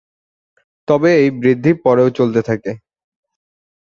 তবে এই বৃদ্ধি পরেও চলতে থাকে।